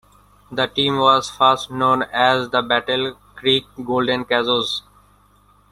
The team was first known as the Battle Creek Golden Kazoos.